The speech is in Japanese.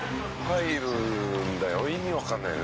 「入るんだよ。